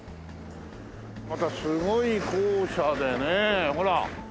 またすごい校舎でねほら。